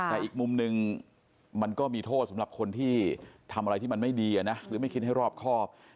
แต่อีกมุมนึงมันก็มีโทษสำหรับคนที่ทำอะไรที่มันไม่ดีหรือไม่คิดให้รอบครอบ